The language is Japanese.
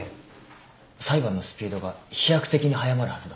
裁判のスピードが飛躍的に速まるはずだ。